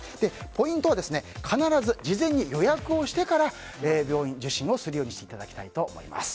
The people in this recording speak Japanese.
ポイントは必ず事前に予約をしてから病院に受診をするようにしていただきたいと思います。